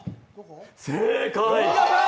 正解！